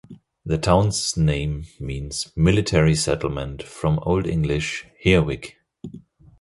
The town's name means "military settlement," from Old English "here-wic".